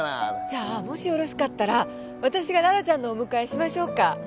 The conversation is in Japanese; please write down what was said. じゃあもしよろしかったら私が羅羅ちゃんのお迎えしましょうか？